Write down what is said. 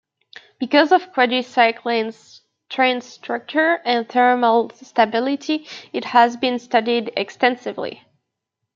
Because of quadricyclane's strained structure and thermal stability, it has been studied extensively.